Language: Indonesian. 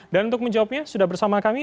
dan untuk menjawabnya sudah bersama kami